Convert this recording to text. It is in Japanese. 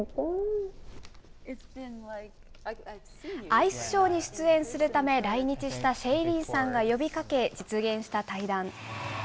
アイスショーに出演するため、来日したシェイリーンさんが呼びかけ、実現した対談。